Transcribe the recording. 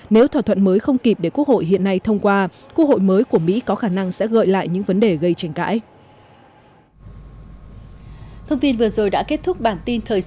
nếu thỏa thuận mới không kịp để quốc hội hiện nay thông qua quốc hội mới của mỹ có khả năng sẽ gợi lại những vấn đề gây tranh cãi